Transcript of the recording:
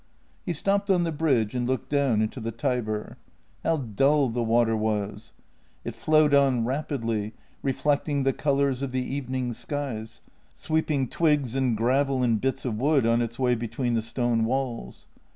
He stopped on the bridge and looked down into the Tiber. How dull the water was! It flowed on rapidly, reflecting the colours of the evening skies, sweeping twigs and gravel and bits of wood on its way between the stone walls.